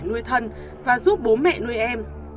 nuôi thân và giúp bố mẹ nuôi em